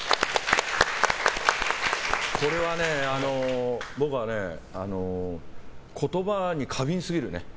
これは僕は言葉に過敏すぎるね。